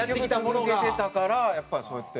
続けてたからやっぱりそうやって。